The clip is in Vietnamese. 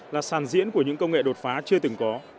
là sàn diễn của những công nghệ đột phá chưa từng có